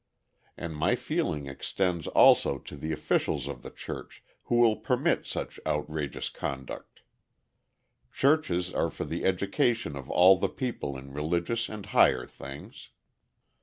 And my feeling extends also to the officials of the church who will permit such outrageous conduct. Churches are for the education of all the people in religious and higher things.